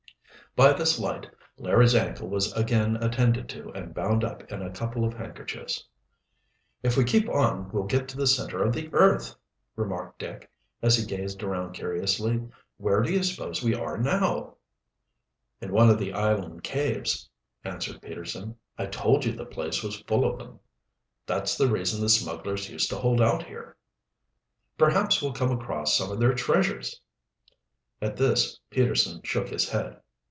By this light Larry's ankle was again attended to and bound up in a couple of handkerchiefs. "If we keep on we'll get to the center of the earth," remarked Dick, as he gazed around curiously. "Where do you suppose we are now?" "In one of the island caves," answered Peterson. "I told you the place was full of them. That's the reason the smugglers used to hold out here." "Perhaps we'll come across some of their treasures." At this Peterson shook his head.